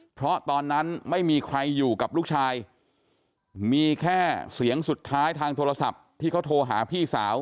เพราะตอนนั้นไม่มีใครอยู่กับลูกชายมีแค่เสียงสุดท้ายทางโทรศัพท์ที่เขาโทรหาพี่สาว